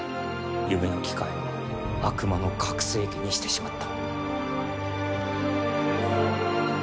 夢の機械を悪魔の拡声機にしてしまった。